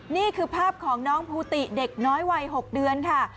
นี่คือภาพของน้องภูติเด็กน้อยวัย๖เดือนค่ะ